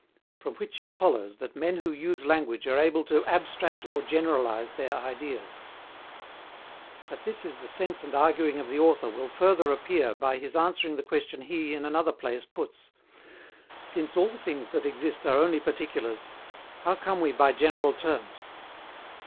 From which it follows that men who use language are able to ABSTRACT or GENERALIZE their ideas. That this is the sense and arguing of the author will further appear by his answering the question he in another place puts: "Since all things that exist are only particulars, how come we by general terms?"